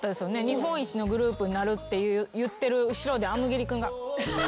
日本一のグループになるって言ってる後ろで。